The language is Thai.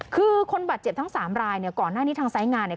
คือคนบาดเจ็บทั้งสามรายเนี่ยก่อนหน้านี้ทางสายงานเนี่ย